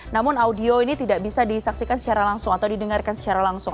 namun audio ini tidak bisa disaksikan secara langsung atau didengarkan secara langsung